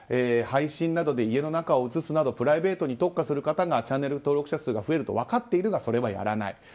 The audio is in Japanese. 配信などで家の中を映すなどプライベートに特化する方がチャンネル登録者数が増えると分かっているが、それはやらない。